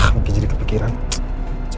gak apa apa jalan aja